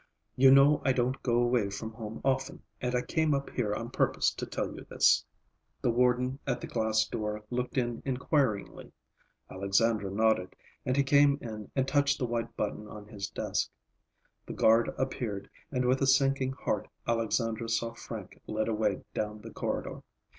You know I don't go away from home often, and I came up here on purpose to tell you this." The warden at the glass door looked in inquiringly. Alexandra nodded, and he came in and touched the white button on his desk. The guard appeared, and with a sinking heart Alexandra saw Frank led away down the corridor.